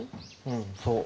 うんそう。